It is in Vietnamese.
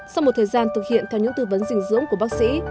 sau một thời gian thực hiện theo những tư vấn dinh dưỡng của bác sĩ